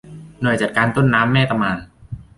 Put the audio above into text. หน่วยจัดการต้นน้ำแม่ตะมาน